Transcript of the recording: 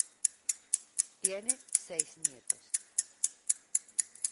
Tiene seis nietos.